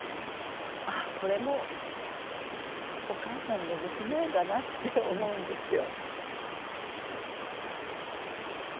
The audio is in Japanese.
ああこれもお母さんの娘だなって思うんですよ。